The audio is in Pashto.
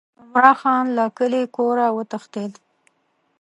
عمرا خان له کلي کوره وتښتېد.